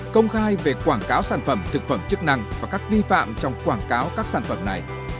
công khai về quảng cáo sản phẩm thực phẩm chức năng và các vi phạm trong quảng cáo các sản phẩm này